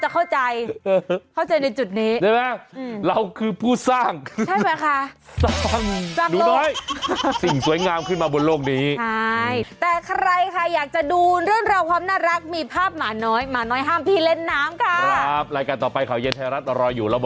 ข่าวเย็นไทยรัฐรออยู่แล้วหมดเวลาแล้วต้องลาไปก่อนสวัสดีครับ